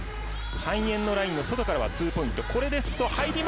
半円のラインの外からはツーポイント。